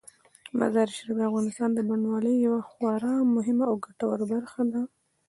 مزارشریف د افغانستان د بڼوالۍ یوه خورا مهمه او ګټوره برخه ده.